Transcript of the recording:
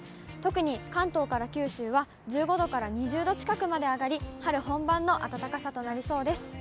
特に関東から九州は、１５度から２０度近くまで上がり、春本番の暖かさとなりそうです。